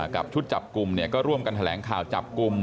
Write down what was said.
ชุดจับกลุ่มก็ร่วมกันแถลงข่าวจับกลุ่ม